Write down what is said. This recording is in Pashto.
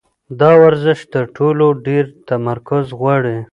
دا ورزش تر ټولو ډېر تمرکز غواړي.